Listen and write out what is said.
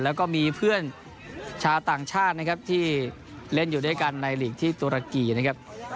แล้วก็มีเพื่อนชาวต่างชาตินะครับที่เล่นอยู่ด้วยกันในหลีกที่ตุรกีนะครับ